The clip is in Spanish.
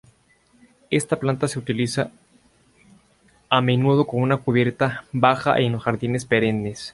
Esta planta se utiliza a menudo como una cubierta baja en los jardines perennes.